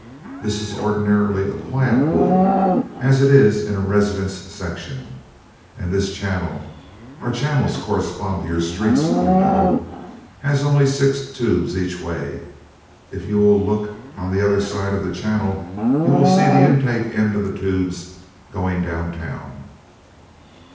This is ordinarily a quiet pool, as it is in a residence section, and this channel our channels correspond to your streets, you know has only six tubes each way. If you will look on the other side of the channel, you will see the intake end of the tubes going down town."